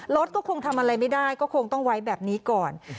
รถก็คงทำอะไรไม่ได้ก็คงต้องไว้แบบนี้ก่อน